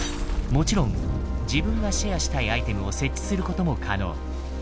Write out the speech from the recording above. もちろん自分がシェアしたいアイテムを設置することも可能。